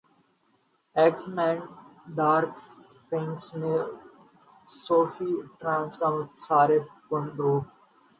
x men dark phoenix میں Sophie Turner کا متاثر کن روپ